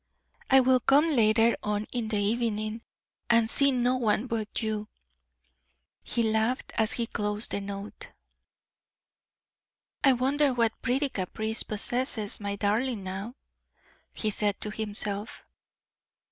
"I will come later on in the evening and see no one but you." He laughed as he closed the note. "I wonder what pretty caprice possesses my darling now," he said to himself.